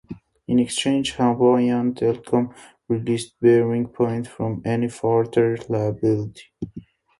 In exchange, Hawaiian Telcom released BearingPoint from any further liability.